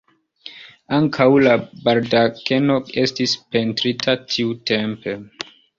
Ankaŭ la baldakeno estis pentrita tiutempe.